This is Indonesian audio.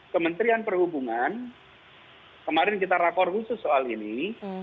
kementerian perhubungan kemarin kita rakor khusus soal ini